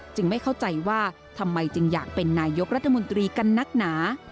ไม่เข้าใจว่าทำไมจึงอยากเป็นนายกรัฐมนตรีกันนักหนา